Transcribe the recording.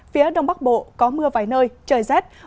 phía đông bắc bộ có mưa vài nơi trời rét